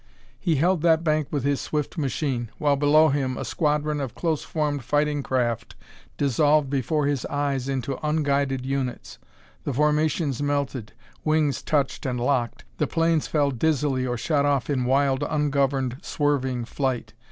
He held that bank with his swift machine, while below him a squadron of close formed fighting craft dissolved before his eyes into unguided units. The formations melted: wings touched and locked; the planes fell dizzily or shot off in wild, ungoverned, swerving flight.